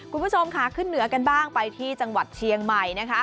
คุณผู้ชมค่ะขึ้นเหนือกันบ้างไปที่จังหวัดเชียงใหม่นะคะ